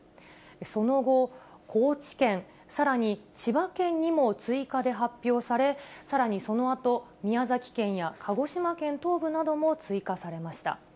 その後、高知県、さらに千葉県にも追加で発表され、さらにそのあと、宮崎県や鹿児島県東部なども追加されました。